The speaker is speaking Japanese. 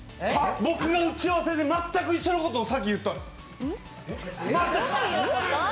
僕が打ち合わせで全く一緒のことをさっき言ったんです。